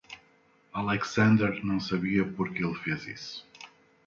Alexander não sabia por que ele fez isso.